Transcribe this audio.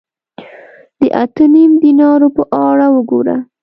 د اته نیم دینارو په اړه وګوره